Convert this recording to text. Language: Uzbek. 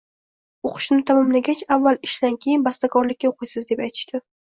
O’qishimni tamomlagach, “Avval ishlang, keyin bastakorlikka o’qiysiz”, deb aytishdi.